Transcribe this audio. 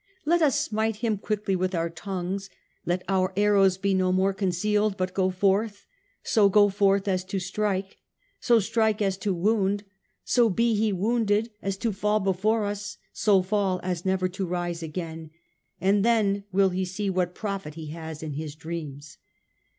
Let us smite him quickly with our tongues ; let our arrows be no more concealed, but go forth ; so go forth as to strike ; so strike as to wound ; so be he wounded as to fall before us, so fall as never to rise again ; and then will he see what profit he has in his dreams.'